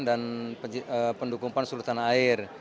dan pendukung pan sulutana air